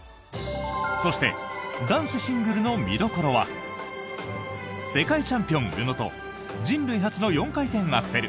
そして男子シングルの見どころは世界チャンピオン、宇野と人類初の４回転アクセル